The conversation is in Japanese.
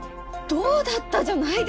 どうだった？じゃないですよ！